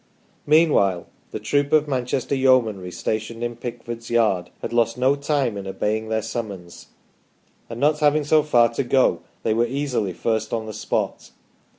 Meanwhile the troop of Manchester Yeomanry stationed in Pick ford'sf yard had lost no time in obeying their summons, and not having so far to go, they were easily first on the spot.